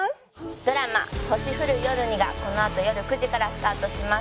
ドラマ『星降る夜に』がこのあとよる９時からスタートします。